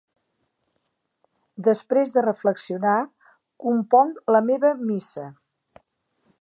Després de reflexionar, componc la meva missa.